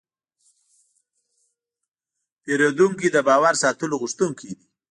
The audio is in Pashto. پیرودونکی د باور ساتلو غوښتونکی دی.